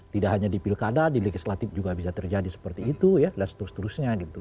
tidak hanya di pilkada di legislatif juga bisa terjadi seperti itu ya dan seterusnya gitu